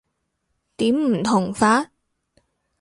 點唔同法？